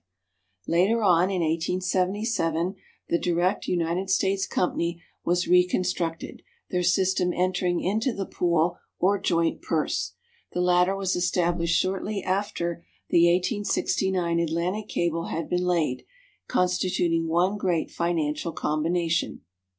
Later on, in 1877, the "Direct United States" Company was reconstructed, their system entering into the "pool" or "joint purse." The latter was established shortly after the 1869 Atlantic cable had been laid, constituting one great financial combination.